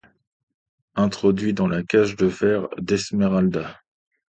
Introduit dans la cage de fer d’Esmeralda.